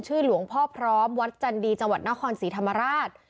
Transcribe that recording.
หลวงพ่อพร้อมวัดจันดีจังหวัดนครศรีธรรมราช